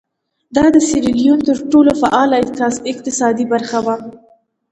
دا د سیریلیون تر ټولو فعاله اقتصادي برخه وه.